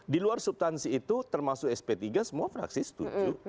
di luar subtansi itu termasuk sp tiga semua fraksi setuju